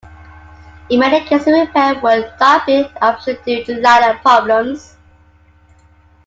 In many cases repair would not have been an option due to liner problems.